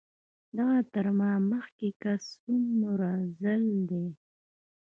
دغه تر ما مخکې کس څووم ځل دی.